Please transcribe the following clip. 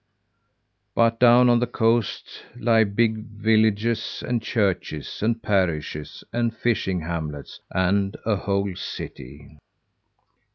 But down on the coast lie big villages and churches and parishes and fishing hamlets and a whole city."